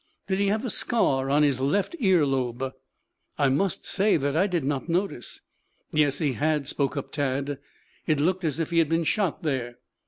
"Did behave a scar on his left ear lobe?" "I must say that I did not notice." "Yes, he had," spoke up Tad. "It looked as if he had been shot there."